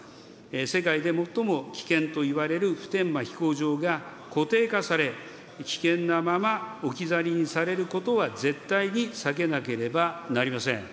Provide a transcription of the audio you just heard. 世界で最も危険といわれる普天間飛行場が固定化され、危険なまま、置き去りにされることは絶対に避けなければなりません。